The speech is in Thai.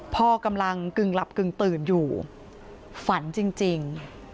พ่อกำลังกึ่งหลับกึ่งตื่นอยู่ฝันจริง